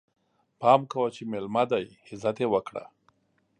پام کوه چې ميلمه دی، عزت يې وکړه!